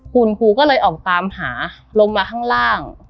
คุณครูก็เลยออกตามหาลงมาข้างล่าง